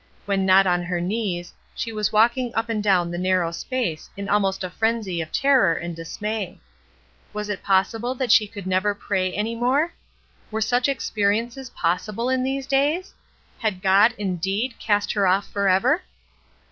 When not on her knees, she was walking up and down the narrow space in almost a frenzy of terror and dismay. Was it possible that she could never pray any more ? Were such experiences possible in these days? Had God, indeed, cast her off forever